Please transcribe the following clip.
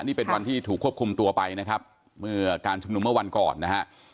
นี่เป็นวันที่ถูกควบคุมตัวไปนะครับเมื่อการชุมนุมเมื่อวันก่อนนะฮะ